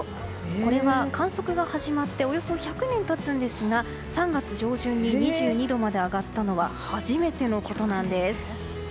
これは、観測が始まっておよそ１００年経つんですが３月上旬に２２度まで上がったのは初めてのことなんです。